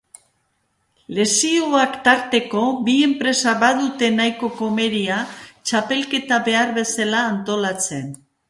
Lesioak tarteko bi enpresek badute nahiko komeria txapelketa behar bezala antolatzen.